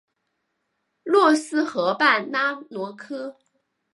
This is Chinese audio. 洛斯河畔拉罗科。